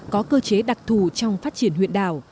có cơ chế đặc thù trong phát triển huyện đảo